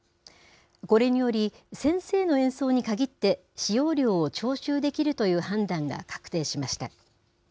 これにより、先生の演奏に限って使用料を徴収できるという判断が確定しました。